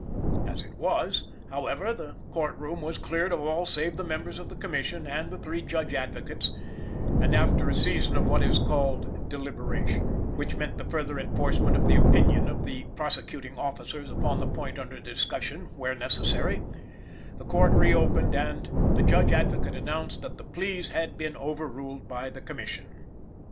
As it was, however, the court room was cleared of all save the members of the Commission and the three Judge Advocates; and after a season of what is called "deliberation" (which meant the further enforcement of the opinion of the prosecuting officers upon the point under discussion, where necessary), the court reopened and "the Judge Advocate announced that the pleas had been overruled by the Commission."